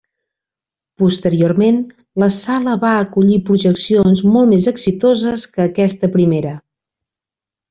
Posteriorment, la sala va acollir projeccions molt més exitoses que aquesta primera.